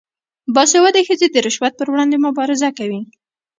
باسواده ښځې د رشوت پر وړاندې مبارزه کوي.